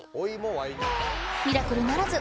ミラクルならず！